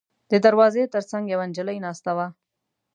د دروازې تر څنګ یوه نجلۍ ناسته وه.